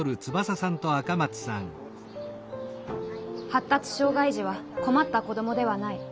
「発達障害児は困った子どもではない」。